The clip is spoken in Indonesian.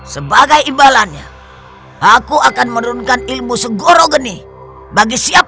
sebagai imbalannya aku akan menurunkan ilmu segoro genih bagi siapa